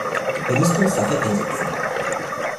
Wir müssen uns dafür einsetzen.